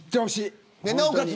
なおかつ